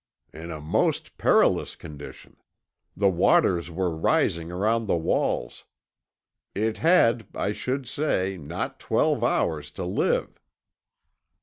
"In a most perilous condition. The waters were rising around the walls. It had, I should say, not twelve hours to live."